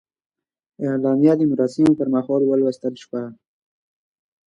اعلامیه د مراسمو پر مهال ولوستل شوه.